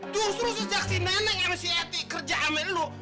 justru sejak si neneng sama si eti kerja sama lo